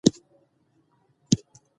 چې د څنګه فکر کوي